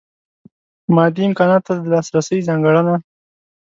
مادي امکاناتو ته د لاسرسۍ ځانګړنه.